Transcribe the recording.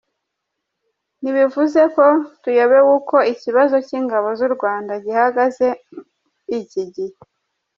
Ntibivuze ko tuyobewe uko ikibazo cy’ingabo z’u Rwanda gihagaze muri iki gihe.